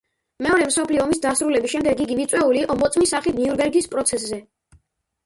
მეორე მსოფლიო ომის დასრულების შემდეგ იგი მიწვეული იყო მოწმის სახით ნიურნბერგის პროცესზე.